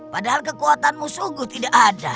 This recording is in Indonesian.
padahal kekuatanmu sungguh tidak ada